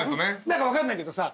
何か分かんないけどさ。